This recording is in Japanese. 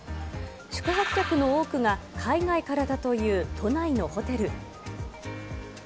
宿泊客の多くが海外からだという都内のホテル。